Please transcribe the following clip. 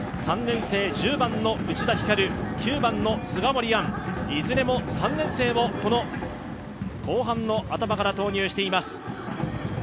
３年生、１０番の内田光、９番の菅森杏、いずれも３年生を後半の頭から投入しています。